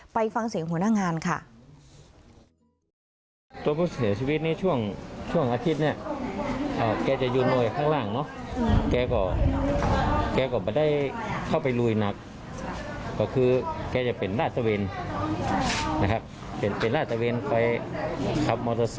ไปฟังเสียงหัวหน้างานค่ะ